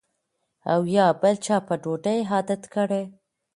او یا بل چا په ډوډۍ عادت کړی